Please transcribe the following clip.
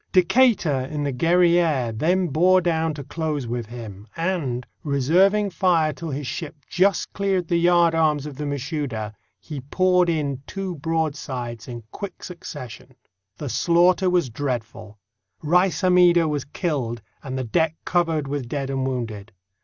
Decatur in the Guerriere then bore down to close with him, and, reserving fire till his ship just cleared the yardarms of the Mashouda, he poured in two broadsides in quick succession. The slaughter was dreadful. Rais Hammida was killed and the deck covered with dead and wounded.